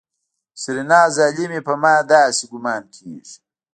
سېرېنا ظالمې په ما داسې ګومان کېږي.